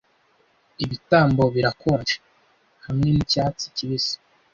Ibitambo birakonje, hamwe nicyatsi kibisi